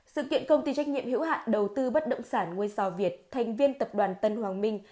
sự kiện công ty trách nhiệm hữu hạn đầu tư bất động sản ngôi sao việt thành viên tập đoàn tân hoàng minh